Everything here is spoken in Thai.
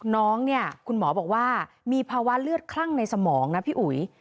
น้องเนี่ยคุณหมอบอกว่ามีภาวะเลือดคลั่งในสมองนะพี่อุ๋ย